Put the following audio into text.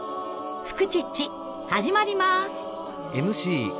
「フクチッチ」始まります。